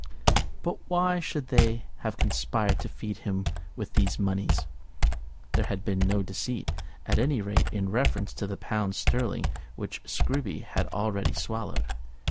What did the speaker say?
But why should they have conspired to feed him with these moneys? There had been no deceit, at any rate, in reference to the pounds sterling which Scruby had already swallowed.